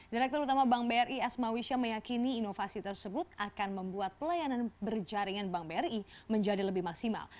direktur utama bank bri asma wisha meyakini inovasi tersebut akan membuat pelayanan berjaringan bank bri menjadi lebih maksimal